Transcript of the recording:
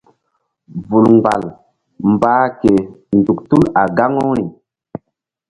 Vul mgbal mbah ke nzuk tul a gaŋu ri.